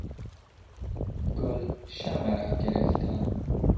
گل شمع را گرفتن